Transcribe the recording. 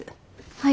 はい。